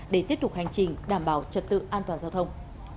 để tiếp tục hành trình đảm bảo trật tự an toàn giao thông